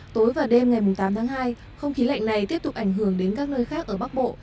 tối và đêm ngày tám tháng hai không khí lạnh này tiếp tục ảnh hưởng đến các nơi khác ở bắc bộ